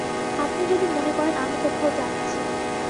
আপনি যদি মনে করেন আমি কোথাও যাচ্ছি।